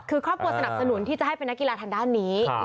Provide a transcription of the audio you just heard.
คือครอบครัวสนับสนุนที่จะให้เป็นนักกีฬาทางด้านนี้